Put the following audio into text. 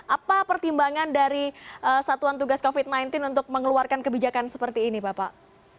apa pertimbangan dari satuan tugas covid sembilan belas untuk mengeluarkan kebijakan seperti ini bapak